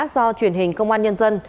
do truyền hình công an nhân dân